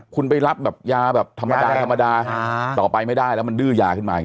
คุณไปรับยาธรรมดาต่อไปไม่ได้แล้วมันเดื้อยาขึ้นมา